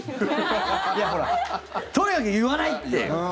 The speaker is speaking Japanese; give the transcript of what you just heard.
いや、ほらとにかく言わない！って。